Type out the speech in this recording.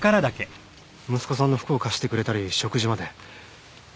息子さんの服を貸してくれたり食事まで。